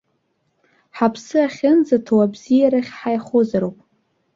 Ҳаԥсы ахьынӡаҭоу абзиарахь ҳаихозароуп.